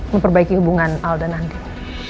memperbaiki hubungan al dan andin